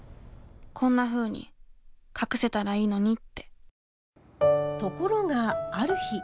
こんなふうに隠せたらいいのにってところがある日。